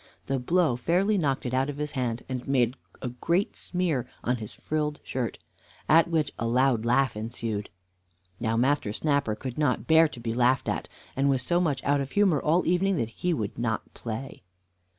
The blow fairly knocked it out of his hand, and made a great smear on his frilled shirt, at which a loud laugh ensued. Now Master Snapper could not bear to be laughed at, and was so much out of humor all the evening that he would not play.